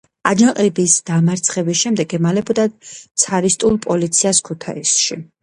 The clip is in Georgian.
აჯანყების დამარცხების შემდეგ ემალებოდა ცარისტულ პოლიციას ქუთაისში.